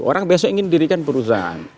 orang biasanya ingin mendirikan perusahaan